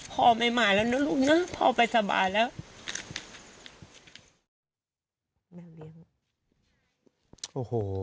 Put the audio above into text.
พ่อไม่มาแล้วนะลูกนะพ่อไปสบายแล้ว